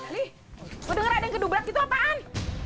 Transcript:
lu denger ada yang kedubat gitu apaan